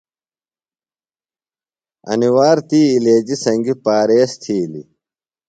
انیۡ وار تی علیجیۡ سنگیۡ پاریز تِھیلیۡ۔